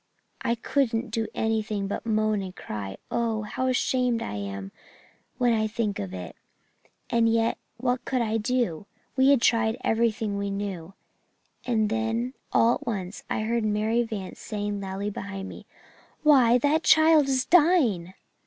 I couldn't do anything but moan and cry oh, how ashamed I am when I think of it; and yet what could I do we had tried everything we knew and then all at once I heard Mary Vance saying loudly behind me, 'Why, that child is dying!'